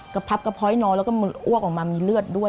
กระพับกระพ้น้อยแล้วก็อ้วกออกมีเลือดด้วย